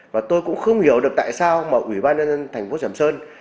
và tôi cũng không hiểu được tại sao mà ủy ban nhân dân thành phố sầm sơn